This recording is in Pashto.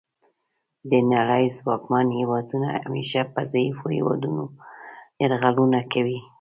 د نړۍ ځواکمن هیوادونه همیشه په ضعیفو هیوادونو یرغلونه کوي